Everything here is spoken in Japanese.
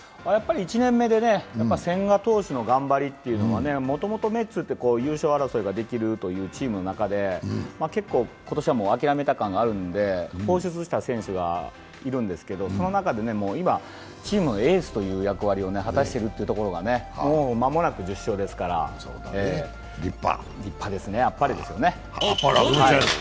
１年目で千賀投手の頑張りというのはもともとメッツって優勝争いができるというチームの中で結構、今年はもう諦めた感があるので放出した選手がいるんですけど、その中で今、チームのエースという役割を果たしているのが間もなく１０勝ですから立派ですね、あっぱれですね。